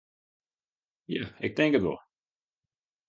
Ja, ik tink it wol.